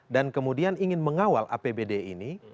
dan kemudian ingin mengawal apbd ini